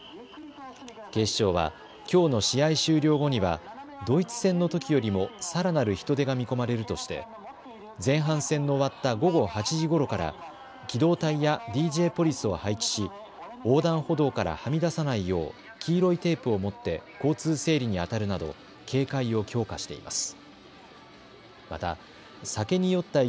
警視庁はきょうの試合終了後にはドイツ戦のときよりもさらなる人出が見込まれるとして前半戦の終わった午後８時ごろから機動隊やＤＪポリスを配置し、横断歩道からはみ出さないよう黄色いテープを持って交通整理にあたるなど警戒を強化しています。